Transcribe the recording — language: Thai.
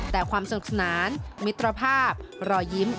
แต่ความสนุกสนานมิตรภาพรอยยิ้ม